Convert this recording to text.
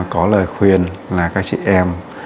có lời khuyên là các chị em